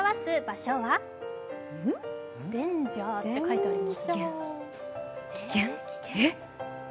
デンジャーと書いてあります。